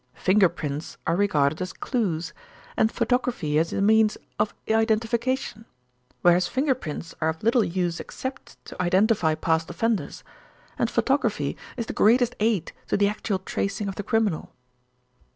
Finger prints are regarded as clues, and photography is a means of identification, whereas finger prints are of little use except to identify past offenders, and photography is the greatest aid to the actual tracing of the criminal."